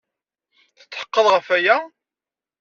Tetḥeqqeḍ ɣef waya?